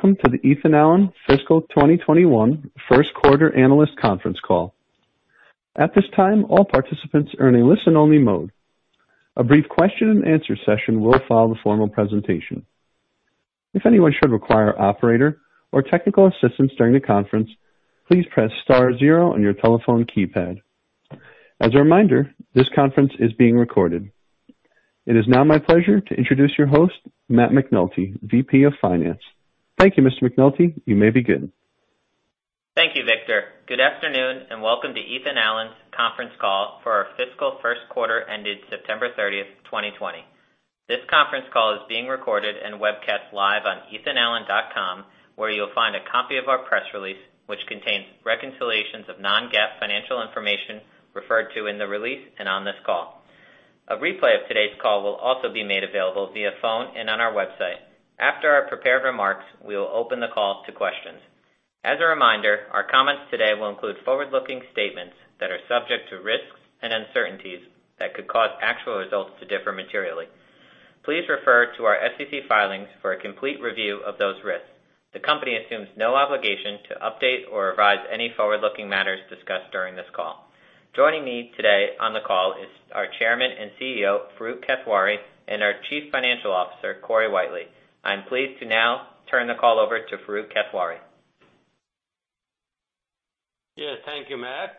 Welcome to the Ethan Allen fiscal 2021 first quarter analyst conference call. At this time, all participants are in a listen-only mode. A brief Q&A session will follow the formal presentation. If anyone should require operator or technical assistance during the conference, please press star zero on your telephone keypad. As a reminder, this conference is being recorded. It is now my pleasure to introduce your host, Matt McNulty, VP of Finance. Thank you, Mr. McNulty. You may begin. Thank you, Victor. Good afternoon, and welcome to Ethan Allen's conference call for our fiscal first quarter ended September 30th, 2020. This conference call is being recorded and webcast live on ethanallen.com, where you'll find a copy of our press release, which contains reconciliations of non-GAAP financial information referred to in the release and on this call. A replay of today's call will also be made available via phone and on our website. After our prepared remarks, we will open the call to questions. As a reminder, our comments today will include forward-looking statements that are subject to risks and uncertainties that could cause actual results to differ materially. Please refer to our SEC filings for a complete review of those risks. The company assumes no obligation to update or revise any forward-looking matters discussed during this call. Joining me today on the call is our Chairman and CEO, Farooq Kathwari, and our Chief Financial Officer, Corey Whitely. I'm pleased to now turn the call over to Farooq Kathwari. Yes. Thank you, Matt,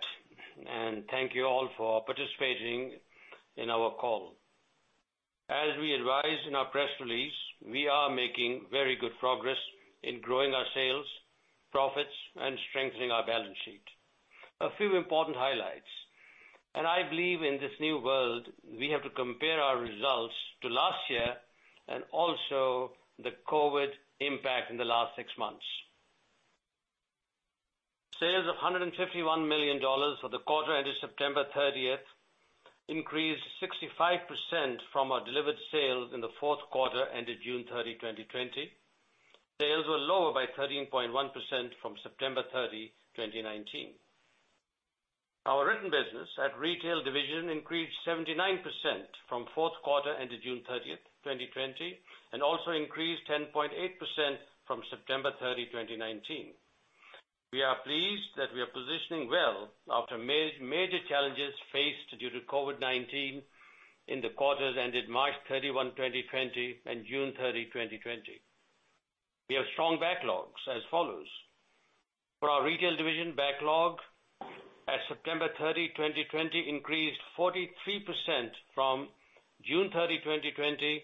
and thank you all for participating in our call. As we advised in our press release, we are making very good progress in growing our sales, profits, and strengthening our balance sheet. A few important highlights. I believe in this new world, we have to compare our results to last year and also the COVID-19 impact in the last six months. Sales of $151 million for the quarter ended September 30th increased 65% from our delivered sales in the fourth quarter ended June 30, 2020. Sales were lower by 13.1% from September 30, 2019. Our written business at retail division increased 79% from fourth quarter ended June 30th, 2020, and also increased 10.8% from September 30, 2019. We are pleased that we are positioning well after major challenges faced due to COVID-19 in the quarters ended March 31, 2020, and June 30, 2020. We have strong backlogs as follows. For our retail division backlog at September 30, 2020, increased 43% from June 30, 2020,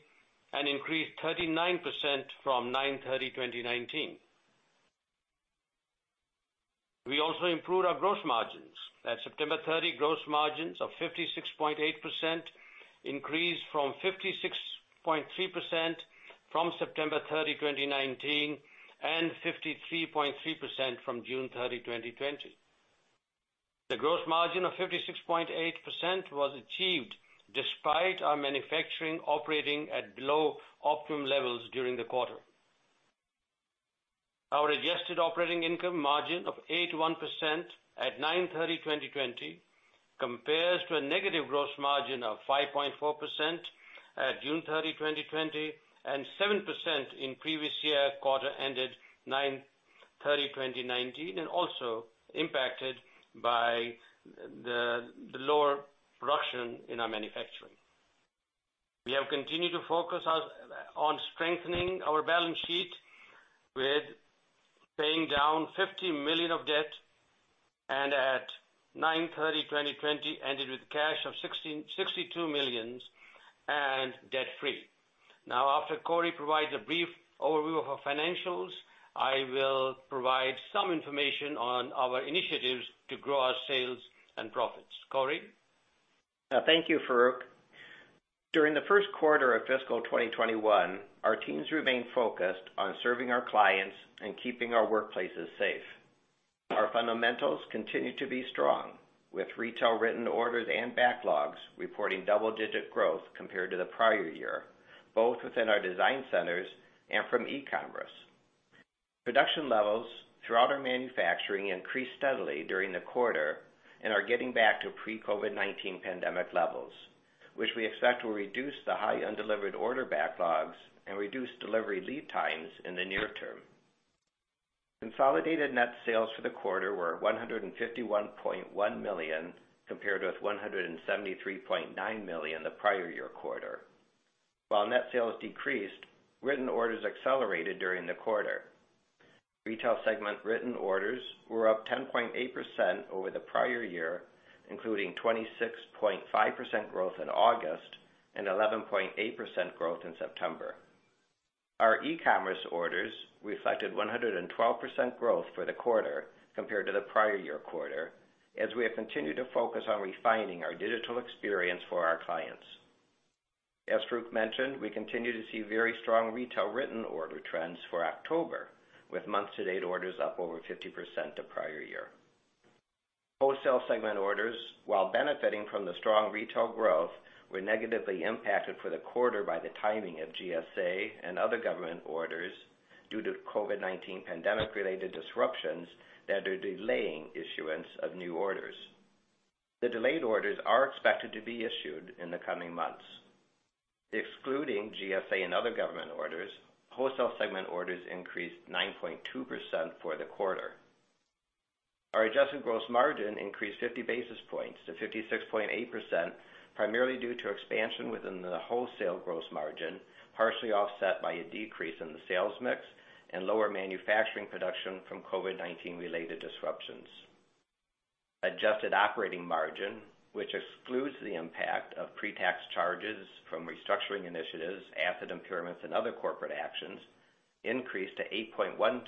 and increased 39% from 9/30/2019. We also improved our gross margins. At September 30, gross margins of 56.8% increased from 56.3% from September 30, 2019, and 53.3% from June 30, 2020. The gross margin of 56.8% was achieved despite our manufacturing operating at below optimum levels during the quarter. Our adjusted operating income margin of 81% at 9/30/2020 compares to a negative gross margin of 5.4% at June 30, 2020, and 7% in previous year quarter ended 9/30/2019, and also impacted by the lower production in our manufacturing. We have continued to focus on strengthening our balance sheet with paying down $50 million of debt, and at 9/30/2020, ended with cash of $62 million and debt-free. After Corey provides a brief overview of our financials, I will provide some information on our initiatives to grow our sales and profits. Corey? Thank you, Farooq. During the first quarter of fiscal 2021, our teams remained focused on serving our clients and keeping our workplaces safe. Our fundamentals continue to be strong, with retail written orders and backlogs reporting double-digit growth compared to the prior year, both within our design centers and from e-commerce. Production levels throughout our manufacturing increased steadily during the quarter and are getting back to pre-COVID-19 pandemic levels, which we expect will reduce the high undelivered order backlogs and reduce delivery lead times in the near term. Consolidated net sales for the quarter were $151.1 million, compared with $173.9 million the prior year quarter. While net sales decreased, written orders accelerated during the quarter. Retail segment written orders were up 10.8% over the prior year, including 26.5% growth in August and 11.8% growth in September. Our e-commerce orders reflected 112% growth for the quarter compared to the prior year quarter, as we have continued to focus on refining our digital experience for our clients. As Farooq mentioned, we continue to see very strong retail written order trends for October, with month-to-date orders up over 50% the prior year. Wholesale segment orders, while benefiting from the strong retail growth, were negatively impacted for the quarter by the timing of GSA and other government orders due to COVID-19 pandemic-related disruptions that are delaying issuance of new orders. The delayed orders are expected to be issued in the coming months. Excluding GSA and other government orders, wholesale segment orders increased 9.2% for the quarter. Our adjusted gross margin increased 50 basis points to 56.8%, primarily due to expansion within the wholesale gross margin, partially offset by a decrease in the sales mix and lower manufacturing production from COVID-19 related disruptions. Adjusted operating margin, which excludes the impact of pre-tax charges from restructuring initiatives, asset impairments, and other corporate actions, increased to 8.1%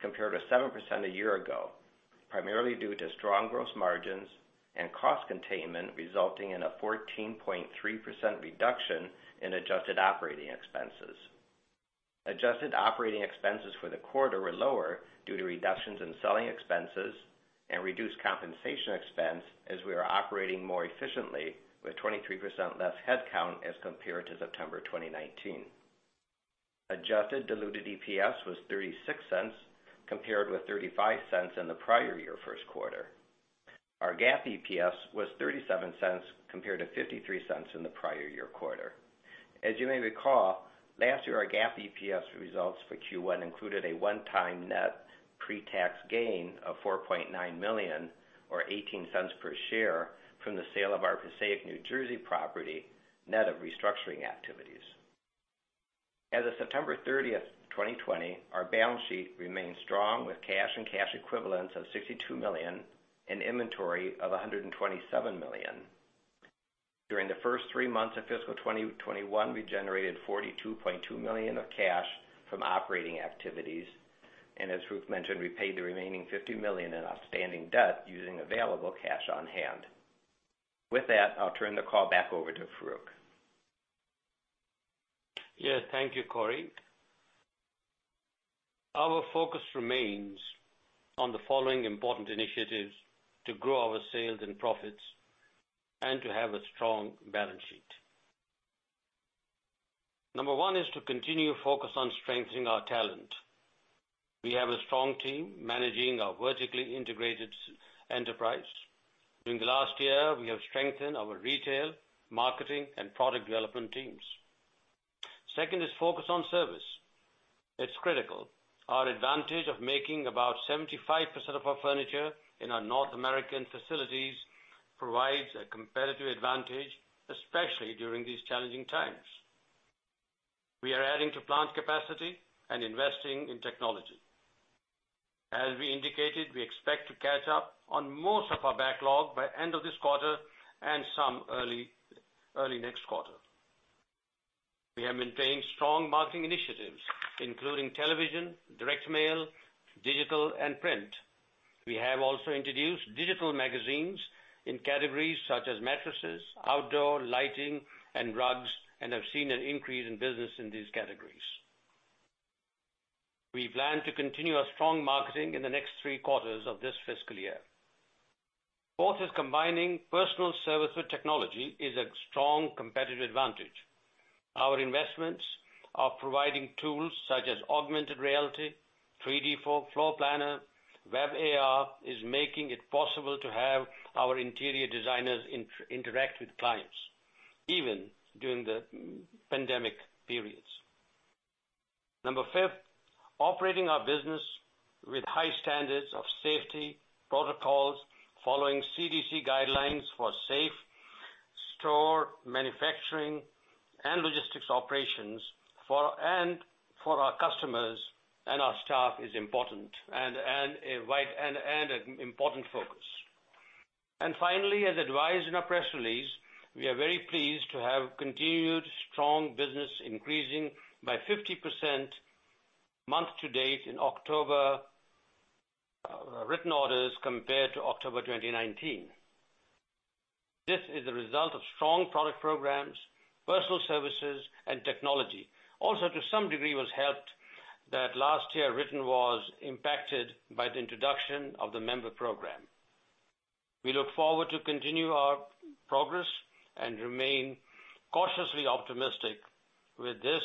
compared to 7% a year ago, primarily due to strong gross margins and cost containment, resulting in a 14.3% reduction in adjusted operating expenses. Adjusted operating expenses for the quarter were lower due to reductions in selling expenses and reduced compensation expense, as we are operating more efficiently with 23% less headcount as compared to September 2019. Adjusted diluted EPS was $0.36, compared with $0.35 in the prior year first quarter. Our GAAP EPS was $0.37, compared to $0.53 in the prior year quarter. As you may recall, last year our GAAP EPS results for Q1 included a one-time net pre-tax gain of $4.9 million, or $0.18 per share, from the sale of our Passaic, New Jersey property, net of restructuring activities. As of September 30th, 2020, our balance sheet remains strong with cash and cash equivalents of $62 million and inventory of $127 million. During the first three months of fiscal 2021, we generated $42.2 million of cash from operating activities, and as Farooq mentioned, we paid the remaining $50 million in outstanding debt using available cash on hand. With that, I'll turn the call back over to Farooq. Yes, thank you, Corey. Our focus remains on the following important initiatives to grow our sales and profits and to have a strong balance sheet. Number one is to continue focus on strengthening our talent. We have a strong team managing our vertically integrated enterprise. During the last year, we have strengthened our retail, marketing, and product development teams. Second is focus on service. It's critical. Our advantage of making about 75% of our furniture in our North American facilities provides a competitive advantage, especially during these challenging times. We are adding to plant capacity and investing in technology. As we indicated, we expect to catch up on most of our backlog by end of this quarter and some early next quarter. We have maintained strong marketing initiatives, including television, direct mail, digital, and print. We have also introduced digital magazines in categories such as mattresses, outdoor lighting, and rugs, and have seen an increase in business in these categories. We plan to continue our strong marketing in the next three quarters of this fiscal year. Fourth is combining personal service with technology is a strong competitive advantage. Our investments are providing tools such as augmented reality, 3D Room Planner. WebAR is making it possible to have our interior designers interact with clients, even during the pandemic periods. Number five, operating our business with high standards of safety protocols, following CDC guidelines for safe store manufacturing and logistics operations, and for our customers and our staff is important and an important focus. Finally, as advised in our press release, we are very pleased to have continued strong business increasing by 50% month-to-date in October written orders compared to October 2019. This is a result of strong product programs, personal services, and technology. Also, to some degree, was helped that last year Ethan Allen was impacted by the introduction of the Member Program. We look forward to continue our progress and remain cautiously optimistic with this.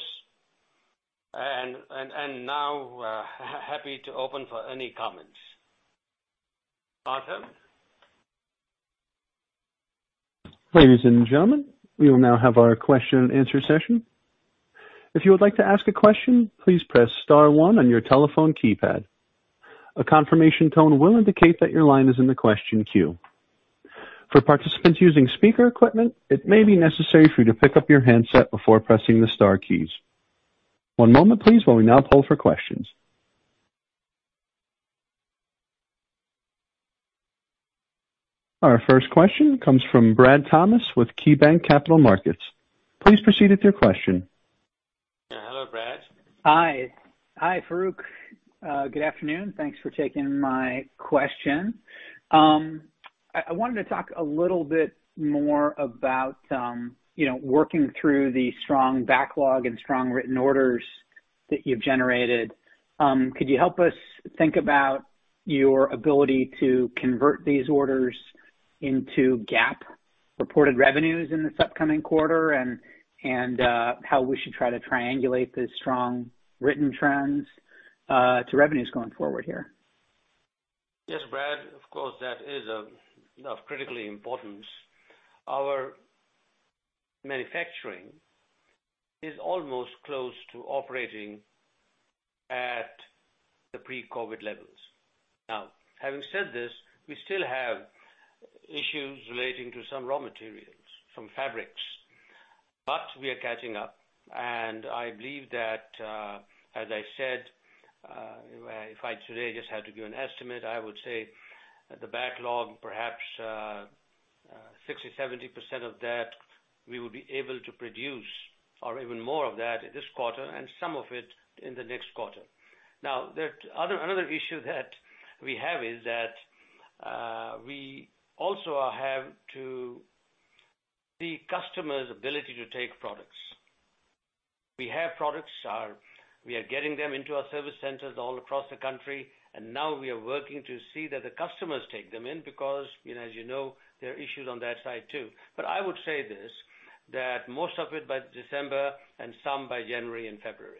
Now, happy to open for any comments. Arthur? Ladies and gentlemen, we will now have our Q&A session. If you would like to ask a question, please press star one on your telephone keypad. A confirmation tone will indicate that your line is in the question queue. For participants using speaker equipment, it may be necessary for you to pick up your handset before pressing the star keys. One moment please while we now poll for questions. Our first question comes from Brad Thomas with KeyBanc Capital Markets. Please proceed with your question. Hello, Brad. Hi. Hi, Farooq. Good afternoon. Thanks for taking my question. I wanted to talk a little bit more about working through the strong backlog and strong written orders that you've generated. Could you help us think about your ability to convert these orders into GAAP reported revenues in this upcoming quarter and how we should try to triangulate the strong written trends to revenues going forward here? Yes, Brad, of course, that is of critical importance. Our manufacturing is almost close to operating at the pre-COVID levels. Now, having said this, we still have issues relating to some raw materials, some fabrics, but we are catching up, and I believe that, as I said, if I today just had to give an estimate, I would say the backlog, perhaps 60%, 70% of that, we would be able to produce or even more of that this quarter and some of it in the next quarter. Now, another issue that we have is that we also have to see customers' ability to take products. We have products. We are getting them into our service centers all across the country. Now we are working to see that the customers take them in because as you know, there are issues on that side, too. I would say this, that most of it by December and some by January and February.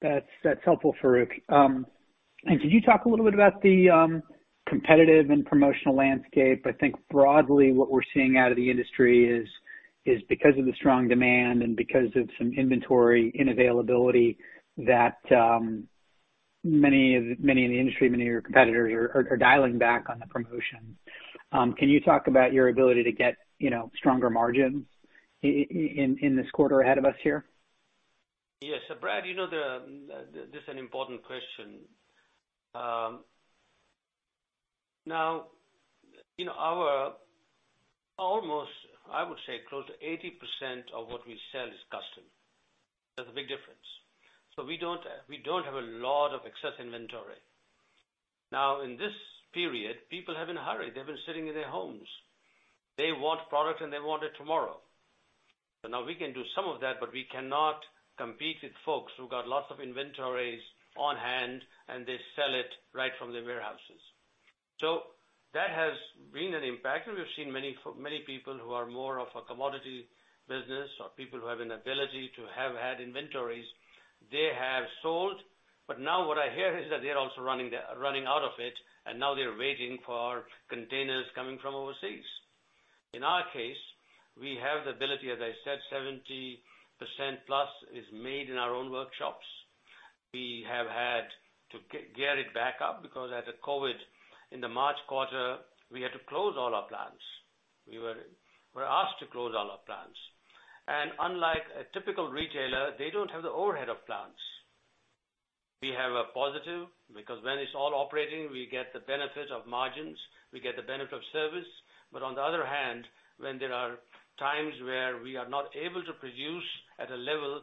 That's helpful, Farooq. Could you talk a little bit about the competitive and promotional landscape? I think broadly what we're seeing out of the industry is because of the strong demand and because of some inventory unavailability that many in the industry, many of your competitors are dialing back on the promotions. Can you talk about your ability to get stronger margins in this quarter ahead of us here? Yes. Brad, this an important question. Now, in our almost, I would say, close to 80% of what we sell is custom. That's a big difference. We don't have a lot of excess inventory. Now, in this period, people are in a hurry. They've been sitting in their homes. They want product, and they want it tomorrow. Now we can do some of that, but we cannot compete with folks who got lots of inventories on hand, and they sell it right from their warehouses. That has been an impact, and we've seen many people who are more of a commodity business or people who have an ability to have had inventories, they have sold. Now what I hear is that they're also running out of it, and now they're waiting for containers coming from overseas. In our case, we have the ability, as I said, 70% plus is made in our own workshops. We have had to gear it back up because as of COVID, in the March quarter, we had to close all our plants. We were asked to close all our plants. Unlike a typical retailer, they don't have the overhead of plants. We have a positive because when it's all operating, we get the benefit of margins, we get the benefit of service. On the other hand, when there are times where we are not able to produce at a level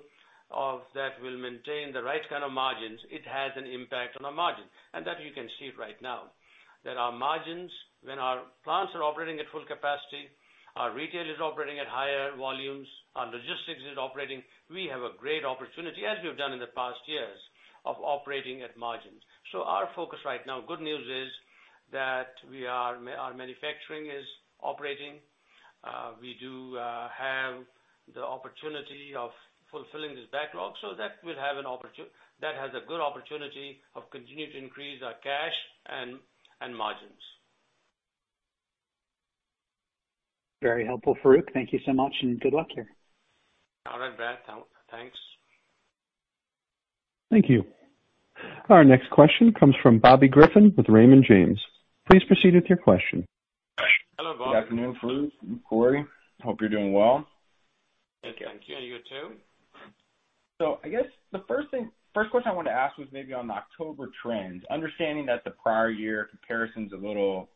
that will maintain the right kind of margins, it has an impact on the margin. That you can see right now. Our margins, when our plants are operating at full capacity, our retail is operating at higher volumes, our logistics is operating, we have a great opportunity, as we've done in the past years, of operating at margins. Our focus right now, good news is that our manufacturing is operating. We do have the opportunity of fulfilling this backlog. That has a good opportunity of continuing to increase our cash and margins. Very helpful, Farooq. Thank you so much, and good luck here. All right, Brad. Thanks. Thank you. Our next question comes from Bobby Griffin with Raymond James. Please proceed with your question. Hello, Bobby. Good afternoon, Farooq and Corey. Hope you're doing well. Thank you. You too. I guess the first question I wanted to ask was maybe on October trends, understanding that the prior year comparison's a little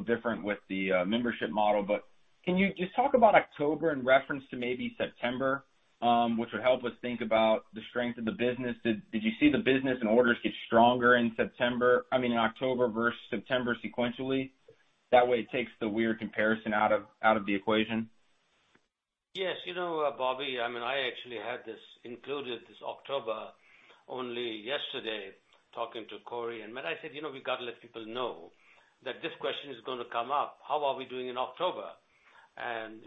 different with the membership model. Can you just talk about October in reference to maybe September, which would help us think about the strength of the business. Did you see the business and orders get stronger in October versus September sequentially? That way it takes the weird comparison out of the equation. Yes. Bobby, I actually had this included, this October, only yesterday, talking to Corey. I said, "We got to let people know that this question is going to come up. How are we doing in October?"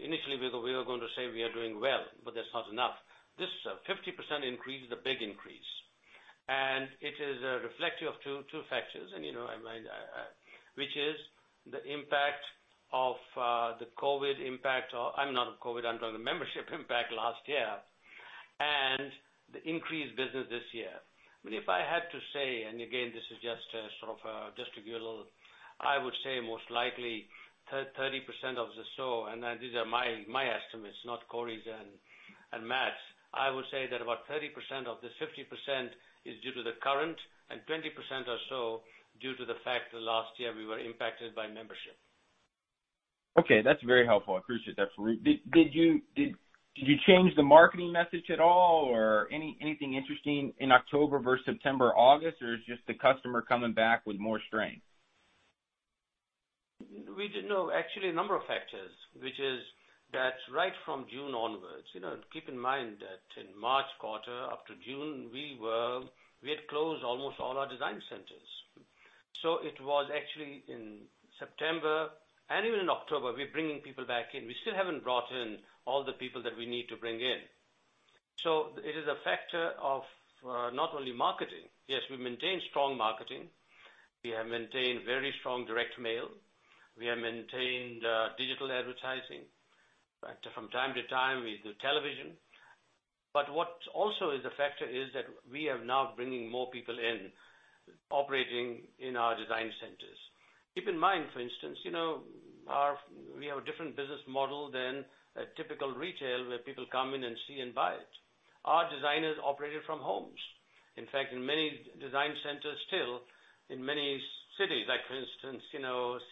Initially, we were going to say we are doing well, but that's not enough. This 50% increase is a big increase. It is a reflection of two factors, which is the impact of the COVID impact, not of COVID, I'm talking the membership impact last year, and the increased business this year. If I had to say, and again this is just sort of just to give you a little, I would say most likely 30% of the so, and these are my estimates, not Corey's and Matt's. I would say that about 30% of the 50% is due to the current, and 20% or so due to the fact that last year we were impacted by membership. Okay. That's very helpful. I appreciate that, Farooq. Did you change the marketing message at all or anything interesting in October versus September, August, or is it just the customer coming back with more strength? No. Actually, a number of factors, which is that right from June onwards, keep in mind that in March quarter up to June, we had closed almost all our design centers. It was actually in September and even in October, we're bringing people back in. We still haven't brought in all the people that we need to bring in. It is a factor of not only marketing. Yes, we've maintained strong marketing. We have maintained very strong direct mail. We have maintained digital advertising. In fact, from time to time, we do television. What also is a factor is that we are now bringing more people in, operating in our design centers. Keep in mind, for instance, we have a different business model than a typical retail where people come in and see and buy it. Our designers operated from homes. In fact, in many design centers still, in many cities, like for instance,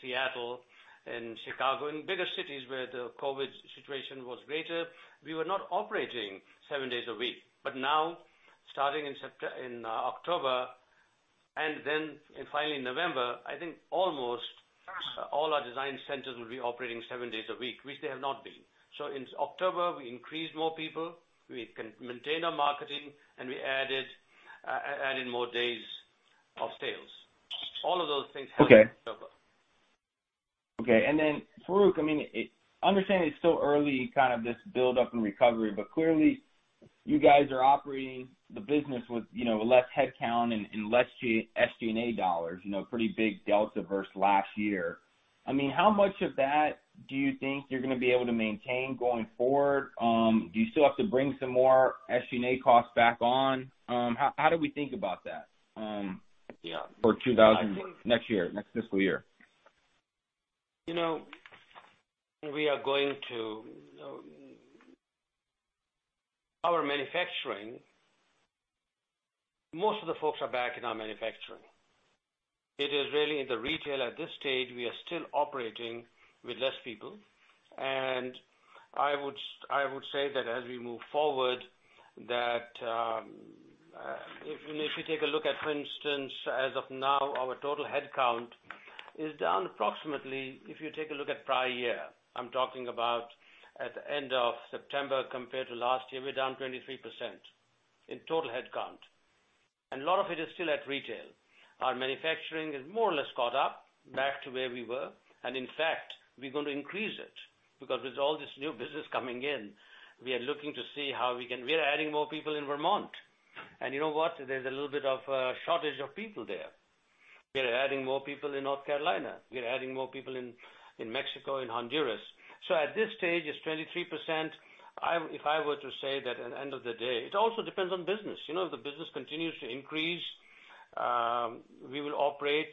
Seattle and Chicago, in bigger cities where the COVID situation was greater, we were not operating seven days a week. Now, starting in October and then finally November, I think almost all our design centers will be operating seven days a week, which they have not been. In October, we increased more people, we maintained our marketing, and we added more days of sales. All of those things happened in October. Farooq, I understand it's still early, kind of this buildup and recovery, but clearly you guys are operating the business with less headcount and less SG&A dollars, pretty big delta versus last year. How much of that do you think you're going to be able to maintain going forward? Do you still have to bring some more SG&A costs back on? How do we think about that for next fiscal year? Most of the folks are back in our manufacturing. It is really in the retail at this stage, we are still operating with less people. I would say that as we move forward, that if you take a look at, for instance, as of now, our total headcount is down approximately, if you take a look at prior year, I'm talking about at the end of September compared to last year, we're down 23% in total headcount. A lot of it is still at retail. Our manufacturing is more or less caught up, back to where we were. In fact, we're going to increase it, because with all this new business coming in, we are looking to see We are adding more people in Vermont. You know what? There's a little bit of a shortage of people there. We are adding more people in North Carolina. We are adding more people in Mexico and Honduras. At this stage, it's 23%. If I were to say that at the end of the day, it also depends on business. If the business continues to increase, we will operate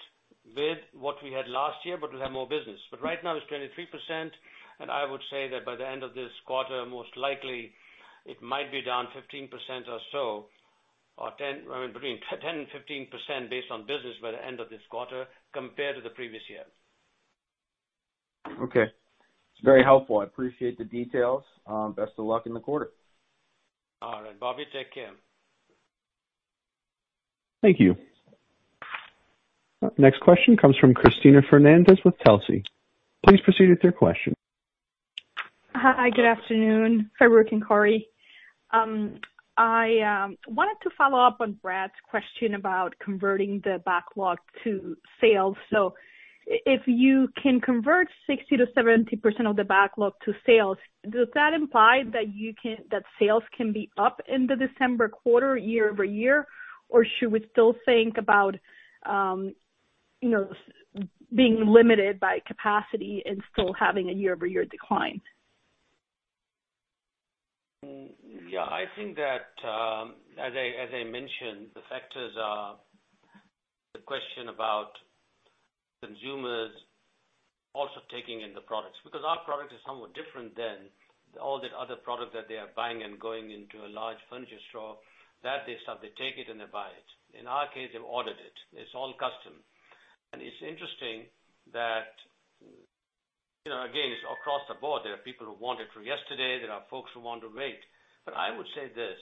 with what we had last year, but we'll have more business. Right now it's 23%, and I would say that by the end of this quarter, most likely it might be down 15% or so, or between 10%-15% based on business by the end of this quarter compared to the previous year. Okay. It's very helpful. I appreciate the details. Best of luck in the quarter. All right, Bobby, take care. Thank you. Next question comes from Cristina Fernández with Telsey. Please proceed with your question. Hi, good afternoon, Farooq and Corey. I wanted to follow up on Brad's question about converting the backlog to sales. If you can convert 60%-70% of the backlog to sales, does that imply that sales can be up in the December quarter year-over-year? Or should we still think about being limited by capacity and still having a year-over-year decline? Yeah, I think that, as I mentioned, the factors are the question about consumers also taking in the products. Because our product is somewhat different than all the other product that they are buying and going into a large furniture store. That they take it and they buy it. In our case, they've ordered it. It's all custom. It's interesting that, again, it's across the board. There are people who want it for yesterday. There are folks who want to wait. I would say this,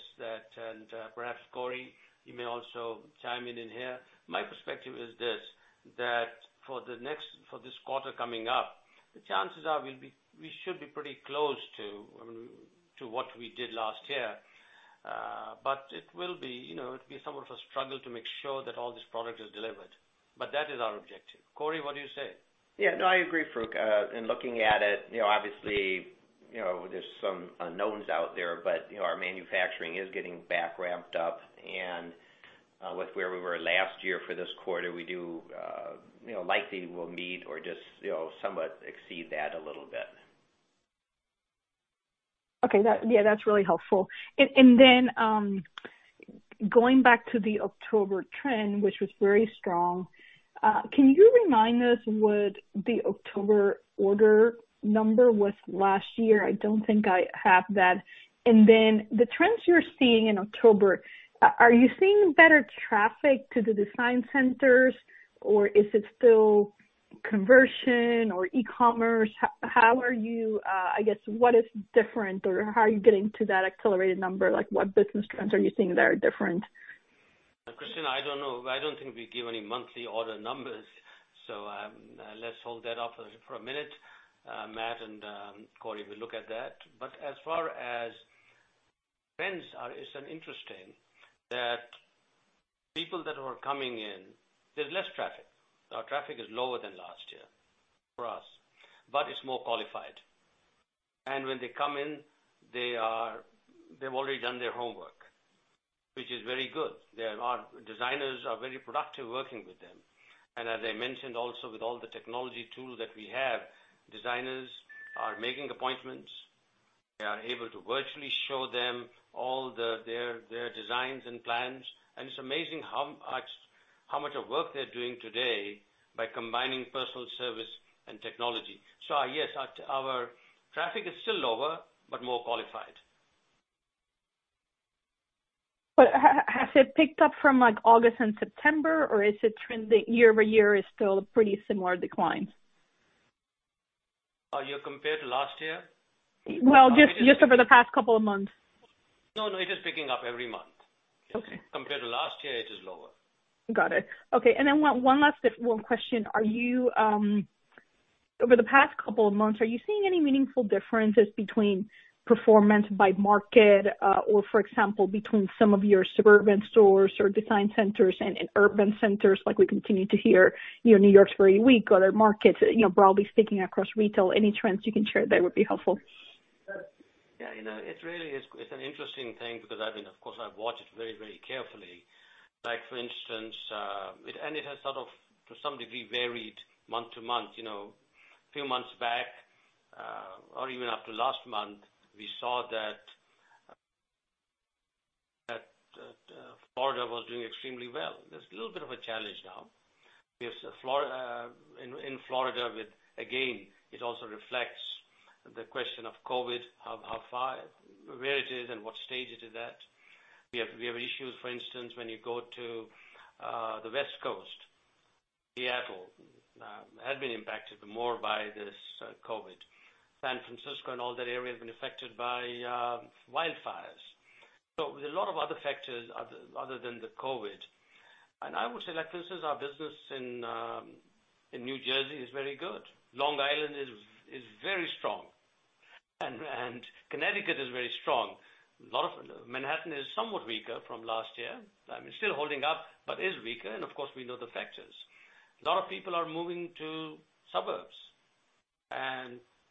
and perhaps Corey, you may also chime in in here. My perspective is this, that for this quarter coming up, the chances are we should be pretty close to what we did last year. It will be somewhat of a struggle to make sure that all this product is delivered. That is our objective. Corey, what do you say? Yeah, no, I agree, Farooq. In looking at it, obviously, there's some unknowns out there, but our manufacturing is getting back ramped up. With where we were last year for this quarter, likely we'll meet or just somewhat exceed that a little bit. Okay. Yeah, that's really helpful. Going back to the October trend, which was very strong, can you remind us what the October order number was last year? I don't think I have that. The trends you're seeing in October, are you seeing better traffic to the design centers, or is it still conversion or e-commerce? What is different or how are you getting to that accelerated number? What business trends are you seeing that are different? Cristina, I don't think we give any monthly order numbers, let's hold that off for a minute. Matt and Corey will look at that. As far as trends are, it's interesting that people that were coming in, there's less traffic. Our traffic is lower than last year for us, it's more qualified. When they come in, they've already done their homework, which is very good. Our designers are very productive working with them. As I mentioned also with all the technology tools that we have, designers are making appointments. They are able to virtually show them all their designs and plans. It's amazing how much of work they're doing today by combining personal service and technology. Yes, our traffic is still lower, more qualified. Has it picked up from August and September, or is the year-over-year is still a pretty similar decline? Are you compared to last year? Well, just over the past couple of months. No, it is picking up every month. Okay. Compared to last year, it is lower. Got it. Okay. One last question. Over the past couple of months, are you seeing any meaningful differences between performance by market or, for example, between some of your suburban stores or design centers and in urban centers like we continue to hear, New York's very weak, other markets, broadly speaking, across retail? Any trends you can share there would be helpful. Yeah. It's an interesting thing because, of course, I've watched it very carefully. Like, for instance, it has sort of to some degree, varied month-to-month. Few months back, or even after last month, we saw that Florida was doing extremely well. There's a little bit of a challenge now. In Florida with, again, it also reflects the question of COVID, where it is and what stage it is at. We have issues, for instance, when you go to the West Coast, Seattle, had been impacted more by this COVID. San Francisco and all that area have been affected by wildfires. There's a lot of other factors other than the COVID. I would say, like this is our business in New Jersey is very good. Long Island is very strong, and Connecticut is very strong. Manhattan is somewhat weaker from last year. I mean, it's still holding up, but is weaker. Of course, we know the factors. A lot of people are moving to suburbs.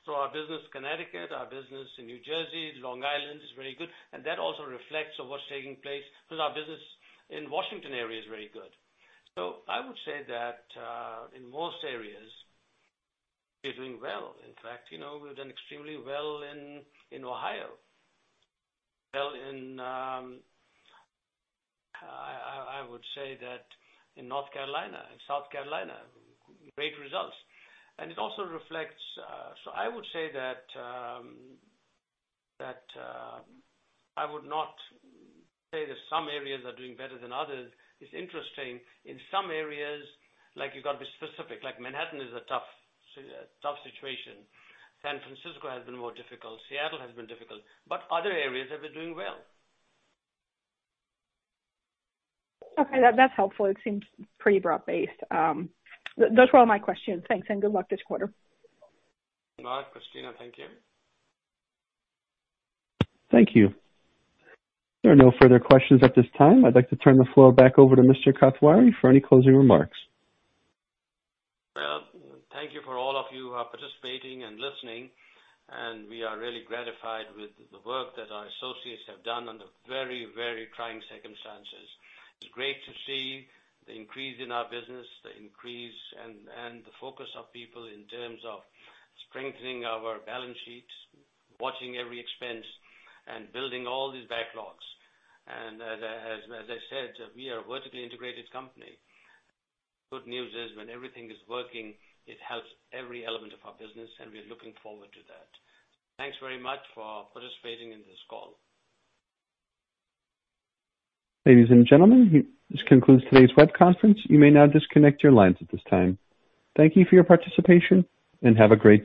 Our business, Connecticut, our business in New Jersey, Long Island, is very good, and that also reflects on what's taking place with our business in Washington area is very good. I would say that, in most areas, we're doing well. In fact, we've done extremely well in Ohio. Well, I would say that in North Carolina and South Carolina, great results. It also reflects. I would say that I would not say that some areas are doing better than others. It's interesting, in some areas, like you've got to be specific, like Manhattan is a tough situation. San Francisco has been more difficult. Seattle has been difficult. Other areas have been doing well. Okay, that's helpful. It seems pretty broad-based. Those were all my questions. Thanks, and good luck this quarter. Mark, Cristina, thank you. Thank you. There are no further questions at this time. I'd like to turn the floor back over to Mr. Kathwari for any closing remarks. Well, thank you for all of you who are participating and listening. We are really gratified with the work that our associates have done under very trying circumstances. It's great to see the increase in our business, the increase and the focus of people in terms of strengthening our balance sheets, watching every expense, and building all these backlogs. As I said, we are a vertically integrated company. Good news is when everything is working, it helps every element of our business, and we're looking forward to that. Thanks very much for participating in this call. Ladies and gentlemen, this concludes today's web conference. You may now disconnect your lines at this time. Thank you for your participation and have a great day.